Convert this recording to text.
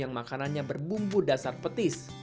yang makanannya berbumbu dasar petis